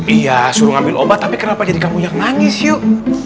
iya suruh ngambil obat tapi kenapa jadi kamu yang nangis yuk